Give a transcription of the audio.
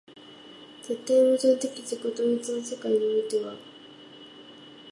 絶対矛盾的自己同一の世界においては、